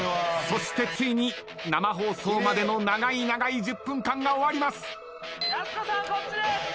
そしてついに生放送までの長い長い１０分間が終わります。